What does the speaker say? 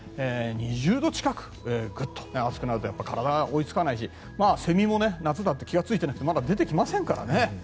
２０度近くグッと熱くなると体が追いつかないしセミも夏だって気がついてないとまだ出てきませんからね。